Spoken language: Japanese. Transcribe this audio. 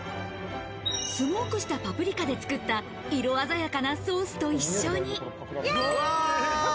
スモークしたパプリカで作った、色鮮やかなソースと一緒に。